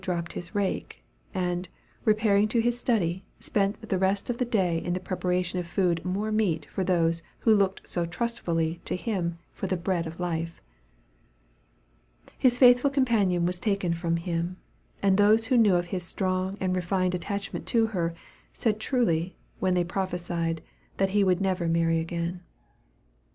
dropped his rake; and, repairing to his study, spent the rest of the day in the preparation of food more meat for those who looked so trustfully to him for the bread of life. His faithful companion was taken from him, and those who knew of his strong and refined attachment to her, said truly, when they prophesied, that he would never marry again.